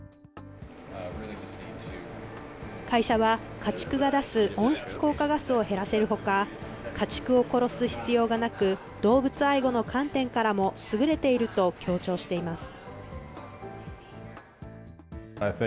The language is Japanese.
会社は、家畜が出す温室効果ガスを減らせるほか、家畜を殺す必要がなく、動物愛護の観点からも優れていると強調しています。